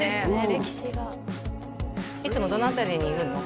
歴史がいつもどの辺りにいるの？